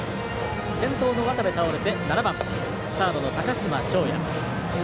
先頭の渡部、倒れて７番サードの高嶋奨哉。